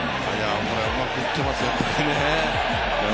これ、うまく打ってますよね、低めをね。